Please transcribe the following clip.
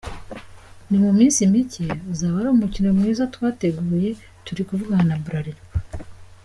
Ni mu minsi mike uzaba ari umukino mwiza twateguye, turi kuvugana na Bralirwa.